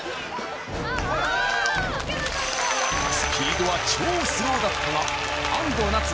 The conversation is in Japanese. スピードは超スローだったが安藤なつ